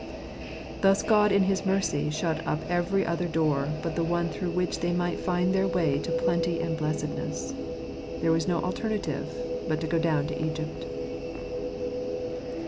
Thus God in his mercy shut up every other door but the one through which they might find their way to plenty and blessedness. There was no alternative but to go down to Egypt.